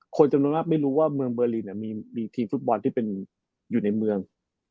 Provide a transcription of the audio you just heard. คนจำนวนมากไม่รู้ว่าเมืองเบอร์ลินมีทีมฟุตบอลที่เป็นอยู่ในเมือง